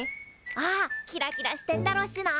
ああキラキラしてんだろっしな。